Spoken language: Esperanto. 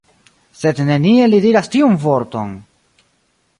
Sed neniel li diras tiun vorton!